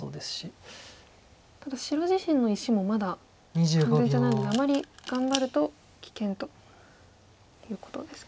ただ白自身の石もまだ完全じゃないのであまり頑張ると危険ということですか。